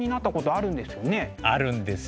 あるんですよ。